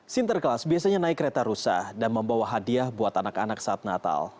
sinterklas biasanya naik kereta rusa dan membawa hadiah buat anak anak saat natal